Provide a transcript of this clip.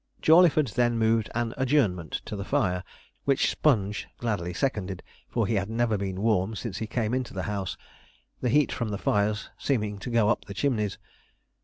Jawleyford then moved an adjournment to the fire; which Sponge gladly seconded, for he had never been warm since he came into the house, the heat from the fires seeming to go up the chimneys.